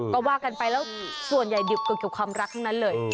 ก็ว่ากันไปแล้วส่วนใหญ่ดิบเกี่ยวกับความรักทั้งนั้นเลย